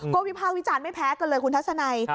ก็วิภาควิจารณ์ไม่แพ้กันเลยคุณทัศนัย